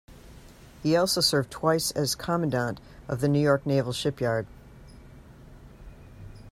He also served twice as commandant of the New York Naval Shipyard.